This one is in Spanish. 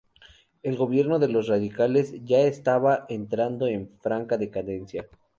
El gobierno de los radicales ya estaba entrando en franca decadencia.